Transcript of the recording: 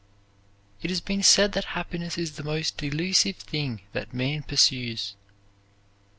It has been said that happiness is the most delusive thing that man pursues.